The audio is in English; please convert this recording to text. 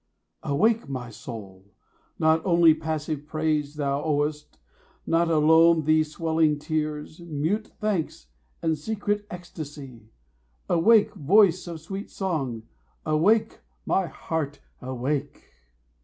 Awake, my soul! not only passive praise Thou owest! not alone these swelling tears, 25 Mute thanks and secret ecstasy! Awake, Voice of sweet song! Awake, my heart, awake!